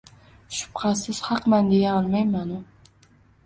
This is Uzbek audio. Shubhasiz haqman deya olmaymanu